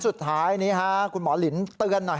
สุดท้ายนี่กูหมอลินตื่นหน่อยสั้นหน่อย